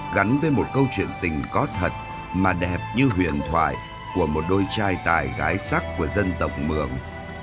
gắn với một câu chuyện tình có thật mà đẹp như huyền thoại của một đôi trai tài gái sắc của dân tộc mường